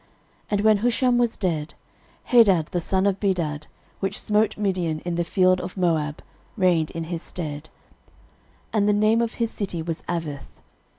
13:001:046 And when Husham was dead, Hadad the son of Bedad, which smote Midian in the field of Moab, reigned in his stead: and the name of his city was Avith.